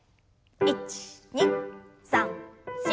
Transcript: １２３４。